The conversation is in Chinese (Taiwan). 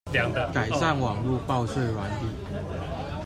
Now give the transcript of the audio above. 改善網路報稅軟體